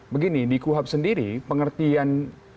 begini di kuhap sendiri pengertian